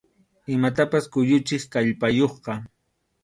Imatapas kuyuchiq kallpayuqqa.